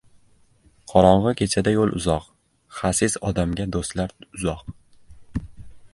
• Qorong‘i kechada yo‘l uzoq, xasis odamga do‘stlar uzoq.